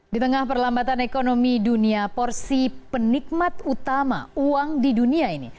di tengah perlambatan ekonomi dunia porsi penikmat utama uang di dunia ini